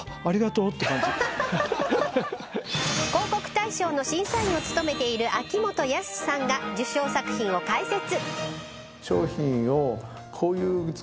広告大賞の審査員を務めている秋元康さんが受賞作品を解説。